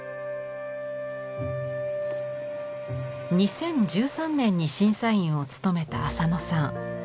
２０１３年に審査員を務めた浅野さん。